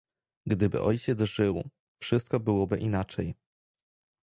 "Gdyby ojciec żył, wszystko byłoby inaczej."